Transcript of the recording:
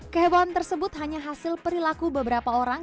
kehebohan tersebut hanya hasil perilaku beberapa orang